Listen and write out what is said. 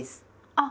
あっ！